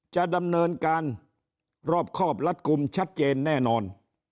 จะดำเนินการรอบครอบรัดกลุ่มชัดเจนแน่นอน